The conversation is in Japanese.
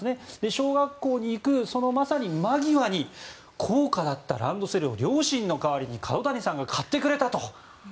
小学校に行くまさに間際に高価だったランドセルを両親の代わりに角谷さんが買ってくれたと。